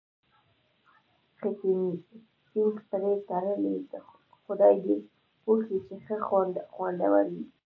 ښه ټینګ پرې تړلی، خدای دې وکړي چې ښه خوندور وي.